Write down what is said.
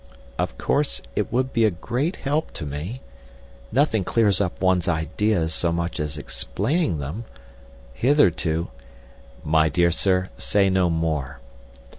"Of course it would be a great help to me. Nothing clears up one's ideas so much as explaining them. Hitherto—" "My dear sir, say no more."